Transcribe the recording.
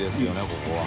ここは。